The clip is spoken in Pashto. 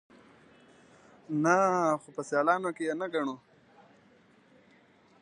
_نه، خو په سيالانو کې يې نه ګڼو.